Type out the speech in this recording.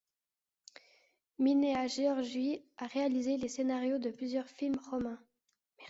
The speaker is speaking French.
Mihnea Gheorghiu a réalisé les scénarios de plusieurs films roumains.